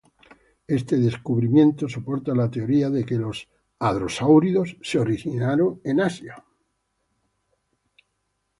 Este descubrimiento soporta la teoría de que los hadrosáuridos se originaron en Asia.